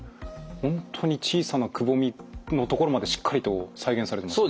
本当に小さなくぼみの所までしっかりと再現されるんですね。